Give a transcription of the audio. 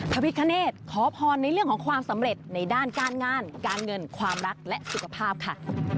พระพิคเนธขอพรในเรื่องของความสำเร็จในด้านการงานการเงินความรักและสุขภาพค่ะ